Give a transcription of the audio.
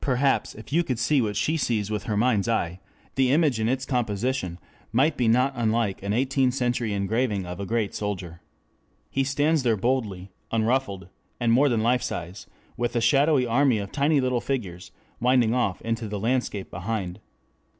Perhaps if you could see what she sees with her mind's eye, the image in its composition might be not unlike an Eighteenth Century engraving of a great soldier. He stands there boldly unruffled and more than life size, with a shadowy army of tiny little figures winding off into the landscape behind.